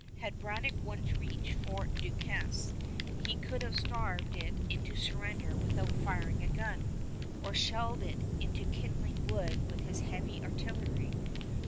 Had Braddock once reached Fort Duquesne, he could have starved it into surrender without firing a gun, or shelled it into kindling wood with his heavy artillery.